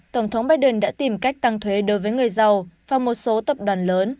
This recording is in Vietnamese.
tổng thống biden đã tìm cách tăng thuế đối với người giàu và một số tập đoàn lớn